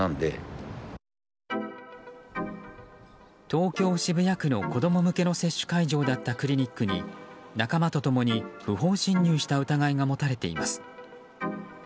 東京・渋谷区の、子供向けの接種会場だったクリニックに仲間と共に不法侵入した疑いが持たれています。